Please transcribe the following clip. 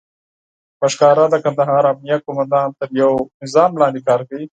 په ښکاره د کندهار امنيه قوماندان تر يو سيستم لاندې کار کوي.